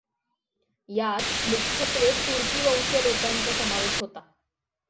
यात मुख्यत्वे तुर्की वंशीय लोकांचा समावेश होता.